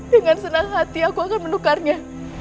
dengan senang hati aku akan menukarnya